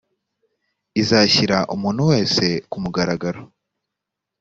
izashyira umuntu wese ku mugaragaro